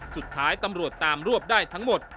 สุดท้ายตำรวจตามรวบได้ทั้งหมด